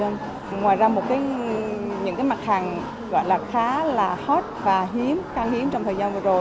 ngoài ra một mặt hàng khá là hot và hiếm trong thời gian vừa rồi